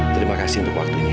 terima kasih untuk waktunya